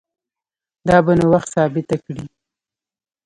دا به نو وخت ثابته کړي